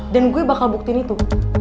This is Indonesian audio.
dan gue bakal buktiin itu